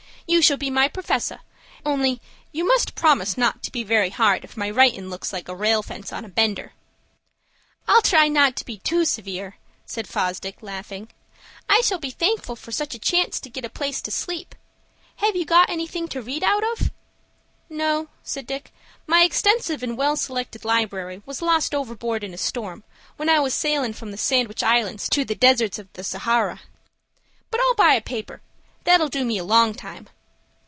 You shall be my perfessor; only you must promise not to be very hard if my writin' looks like a rail fence on a bender." "I'll try not to be too severe," said Fosdick, laughing. "I shall be thankful for such a chance to get a place to sleep. Have you got anything to read out of?" "No," said Dick. "My extensive and well selected library was lost overboard in a storm, when I was sailin' from the Sandwich Islands to the desert of Sahara. But I'll buy a paper. That'll do me a long time."